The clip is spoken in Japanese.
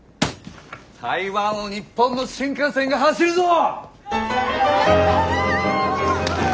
台湾を日本の新幹線が走るぞ！